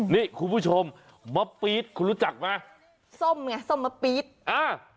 นี่คุณผู้ชมมะปี๊ดคุณรู้จักไหมส้มไงส้มมะปี๊ดอ่า